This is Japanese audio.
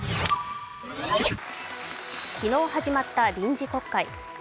昨日始まった臨時国会。